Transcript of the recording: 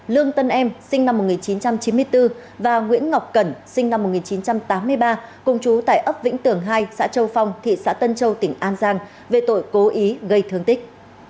lương tân em sinh năm một nghìn chín trăm chín mươi bốn và nguyễn ngọc cẩn sinh năm một nghìn chín trăm tám mươi ba cùng chú tại ấp vĩnh tường hai xã châu phong thị xã tân châu tỉnh an giang về tội cố ý gây thương tích